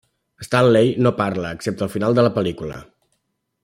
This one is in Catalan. Stanley no parla, excepte al final de la pel·lícula.